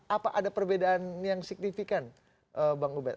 apa ada perbedaan yang signifikan bang ubed